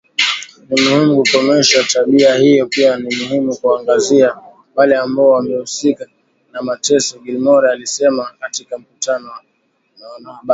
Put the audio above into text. Ni muhimu kukomesha tabia hiyo pia ni muhimu kuwaangazia wale ambao wamehusika na mateso Gilmore alisema katika mkutano na wanahabari